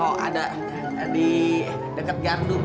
oh ada di deket gandung